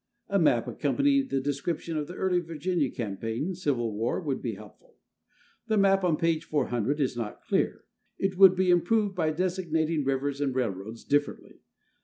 A map accompanying the description of the early Virginia campaign (Civil War) would be helpful. The map on page 400 is not clear; it would be improved by designating rivers and railroads differently.